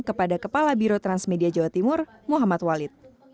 kepada kepala biro transmedia jawa timur muhammad walid